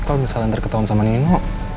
kalau misalnya terketahuan sama nino